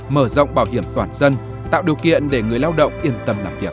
mở rộng bảo hiểm toàn dân tạo điều kiện để người lao động yên tâm làm việc